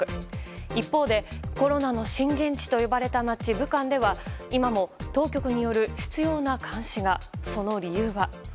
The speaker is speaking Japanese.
一方で、コロナの震源地と呼ばれた街・武漢では今も当局による執拗な監視が。